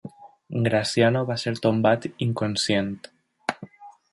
Graziano va ser tombat inconscient.